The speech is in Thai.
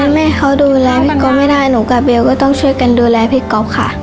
แม่เขาดูแลพี่ก๊อฟไม่ได้หนูกับเบลก็ต้องช่วยกันดูแลพี่ก๊อฟค่ะ